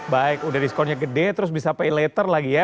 baik udah diskonnya gede terus bisa pay later lagi ya